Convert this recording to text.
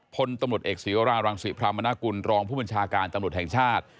พลตำรวจเอกศีวรารังศิพรามนากุลรองผู้บัญชาการตำรวจแห่งชาติ